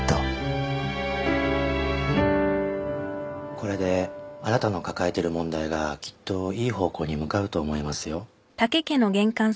これであなたの抱えてる問題がきっといい方向に向かうと思いますよ。